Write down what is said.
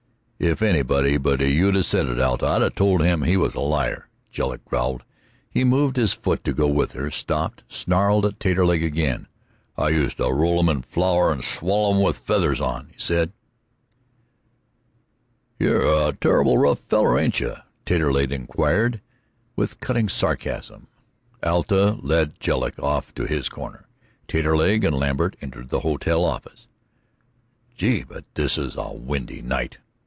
"If anybody but you'd 'a' said it, Alta, I'd 'a' told him he was a liar," Jedlick growled. He moved his foot to go with her, stopped, snarled at Taterleg again. "I used to roll 'em in flour and swaller 'em with the feathers on," said he. "You're a terrible rough feller, ain't you?" Taterleg inquired with cutting sarcasm. Alta led Jedlick off to his corner; Taterleg and Lambert entered the hotel office. "Gee, but this is a windy night!"